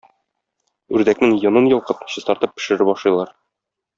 Үрдәкнең йонын йолкып, чистартып пешереп ашыйлар.